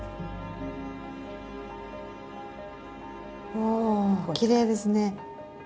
おきれいですね。